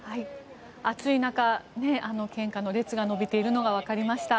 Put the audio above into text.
暑い中、献花の列が延びているのがわかりました。